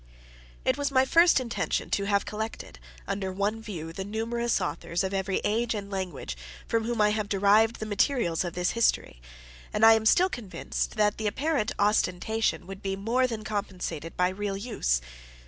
It was my first intention to have collected, under one view, the numerous authors, of every age and language, from whom I have derived the materials of this history; and I am still convinced that the apparent ostentation would be more than compensated by real use.